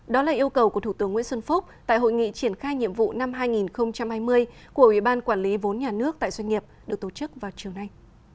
đó là yêu cầu của thủ tướng nguyễn xuân phúc tại hội nghị triển khai nhiệm vụ năm hai nghìn hai mươi của ubnd tại doanh nghiệp được tổ chức vào chiều nay